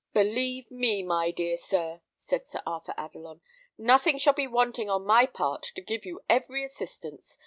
"Believe me, my dear sir," said Sir Arthur Adelon, "nothing shall be wanting on my part to give you every assistance.